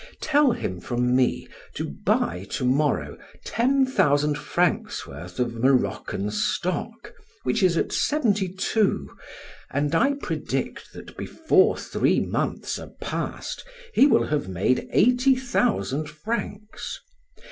Tell him from me to buy to morrow ten thousand francs' worth of Moroccan stock which is at seventy two, and I predict that before three months are passed he will have made eighty thousand francs.